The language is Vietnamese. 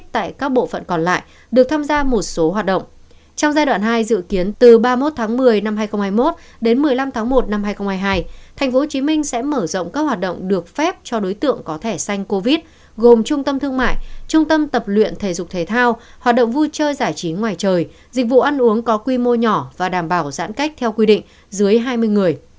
một mươi năm tháng một năm hai nghìn hai mươi hai tp hcm sẽ mở rộng các hoạt động được phép cho đối tượng có thẻ sanh covid gồm trung tâm thương mại trung tâm tập luyện thể dục thể thao hoạt động vui chơi giải trí ngoài trời dịch vụ ăn uống có quy mô nhỏ và đảm bảo giãn cách theo quy định dưới hai mươi người